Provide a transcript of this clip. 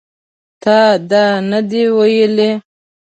تا دا نه دي ویلي